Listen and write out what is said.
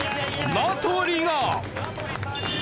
名取が。